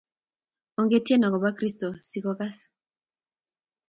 Ongetien agobo Kristo si kokas